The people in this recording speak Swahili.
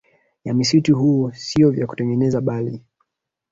ya msitu huo siyo vya kutengenezwa bali